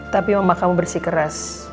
tapi mama kamu bersih keras